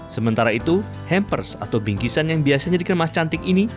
sementara itu hampers atau bingkisan yang biasanya dikemas cantik ini